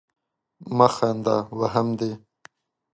مه خانده ! وهم دي.